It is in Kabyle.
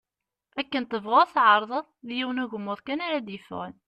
Akken tebɣuḍ tεerḍeḍ, d yiwen ugmuḍ kan ara d-yeffɣen.